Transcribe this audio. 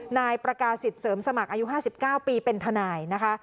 นายประกาศิษย์เสริมสมัครอายุ๕๙ปีเป็นทนายนะคะ